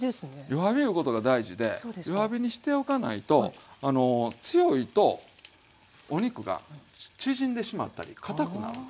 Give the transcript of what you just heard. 弱火いうことが大事で弱火にしておかないと強いとお肉が縮んでしまったりかたくなるんですよ。